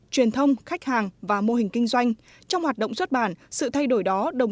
truyền thông khách hàng và mô hình kinh doanh trong hoạt động xuất bản sự thay đổi đó đồng